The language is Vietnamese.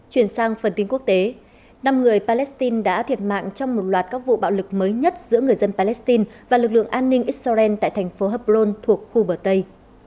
chuyển sang phần tin quốc tế năm người palestine đã thiệt mạng trong một loạt các vụ bạo lực mới nhất giữa người dân palestine và lực lượng an ninh israel tại thành phố hapron thuộc khu bờ tây